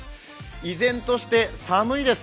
依然として寒いです。